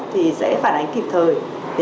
thì sẽ phản ánh kịp thời